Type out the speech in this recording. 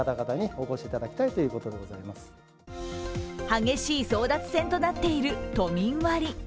激しい争奪戦となっている都民割。